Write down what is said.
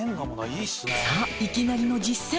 さあいきなりの実践。